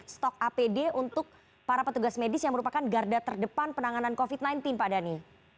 stok apd untuk para petugas medis yang merupakan garda terdepan penanganan covid sembilan belas pak dhani